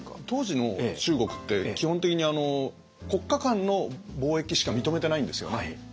当時の中国って基本的に国家間の貿易しか認めてないんですよね。